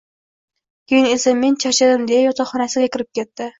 Keyin esa men charchadim deya yotoqxonasiga kirib ketdi